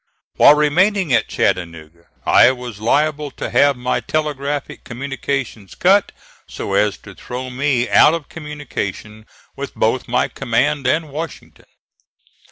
While remaining at Chattanooga I was liable to have my telegraphic communications cut so as to throw me out of communication with both my command and Washington.